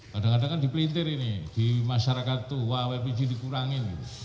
kadang kadang di pelintir ini di masyarakat itu wah lpg dikurangin